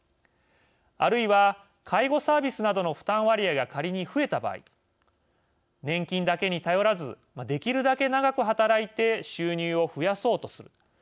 あるいは、介護サービスなどの負担割合が仮に増えた場合年金だけに頼らずできるだけ長く働いて収入を増やそうとする。